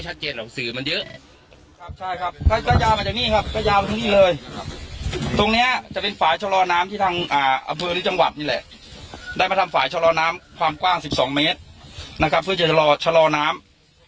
จะค่อยยิบสองเมตรนะคะเพื่อจะรอชะลอน้ำ